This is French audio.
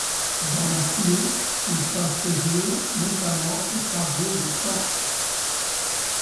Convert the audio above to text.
Dans la foulée, ils passent jouer notamment au Cargö de Caen.